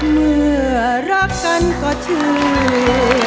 เมื่อรักกันก็เชื่อ